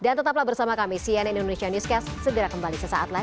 dan tetaplah bersama kami sian indonesia newscast segera kembali sesaat lagi